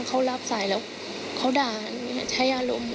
ก็คือว่าเขารับสายแล้วเขาด่านใช้อารมณ์